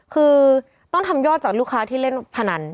คือต้องทำยอดจากลูกค้าที่เล่นพนัน